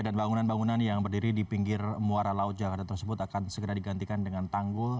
dan bangunan bangunan yang berdiri di pinggir muara laut jakarta tersebut akan segera digantikan dengan tanggul